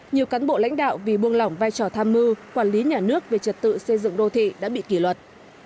nhiều cán bộ lãnh đạo vì buông lỏng vai trò tham mưu quản lý nhà nước về trật tự xây dựng đô thị đã bị kỷ luật